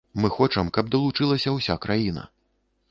Мы хочам, каб далучылася ўся краіна.